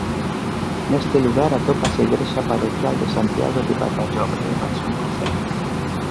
Neste lugar atópase a igrexa parroquial de Santiago de Barallobre e máis un cruceiro.